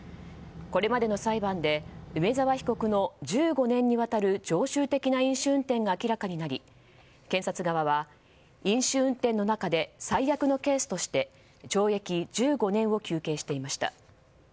これまでの裁判で梅沢被告の１５年にわたる常習的な飲酒運転が明らかになり検察側は飲酒運転の中で最悪のケースとして懲役１５年を求刑していました。